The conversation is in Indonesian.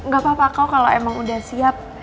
gak apa apa kau kalau emang udah siap